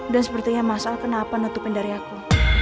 dan sepertinya masalah kenapa nutupin dari aku